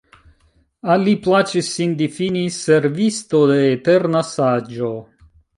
Al li plaĉis sin difini «Servisto de eterna Saĝo».